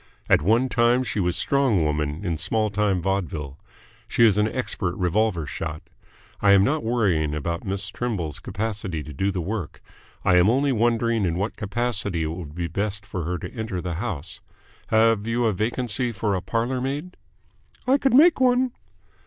At one time she was a Strong Woman in small time vaudeville. She is an expert revolver shot. I am not worrying about Miss Trimble's capacity to do the work. I am only wondering in what capacity it would be best for her to enter the house. Have you a vacancy for a parlour maid?" "I could make one."